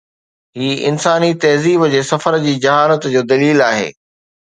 هي انساني تهذيب جي سفر جي جهالت جو دليل آهي.